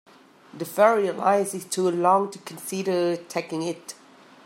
The ferry line is too long to consider taking it.